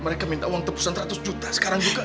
mereka minta uang tebusan seratus juta sekarang juga